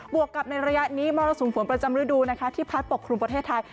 วกกับในระยะนี้มรสุมฝนประจำฤดูนะคะที่พัดปกครุมประเทศไทย